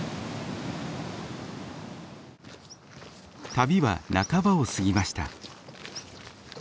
旅は半ばを過ぎました。